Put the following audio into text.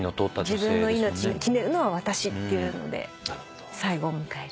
自分の命決めるのは私っていうので最期を迎える。